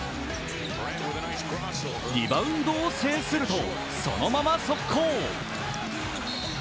リバウンドを制するとそのまま速攻。